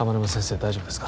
大丈夫ですか？